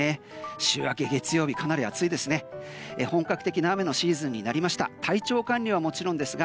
週明け、月曜日かなり暑いですね。